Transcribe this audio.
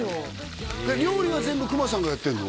料理は全部熊さんがやってんの？